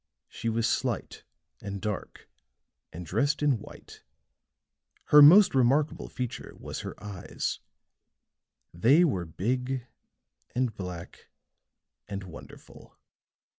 She was slight and dark and dressed in white. Her most remarkable feature was her eyes; they were big and black and wonderful.